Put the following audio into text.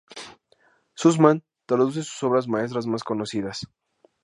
Sussman traduce sus obras maestras más conocidas.